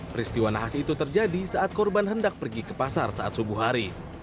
peristiwa nahas itu terjadi saat korban hendak pergi ke pasar saat subuh hari